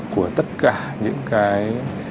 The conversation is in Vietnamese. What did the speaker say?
của tất cả những cái